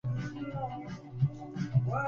Es el primer sencillo realizado por la banda.